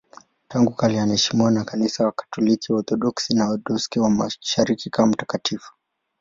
Tangu kale anaheshimiwa na Kanisa Katoliki, Waorthodoksi na Waorthodoksi wa Mashariki kama mtakatifu.